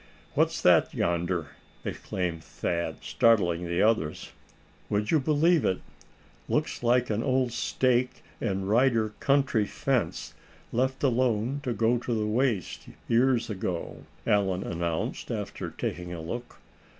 "What's that yonder?" exclaimed Thad, startling the others. "Would you believe it, looks like an old stake and rider country fence, left alone to go to the waste years ago?" Allan announced, after taking a look.